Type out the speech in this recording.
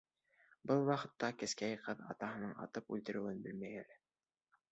Был ваҡытта кескәй ҡыҙ атаһының атып үлтерелеүен белмәй әле.